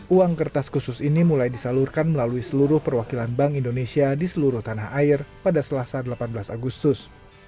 uang kertas khusus ini mulai disalurkan melalui seluruh perwakilan bank indonesia di seluruh tanah air pada selasa delapan belas agustus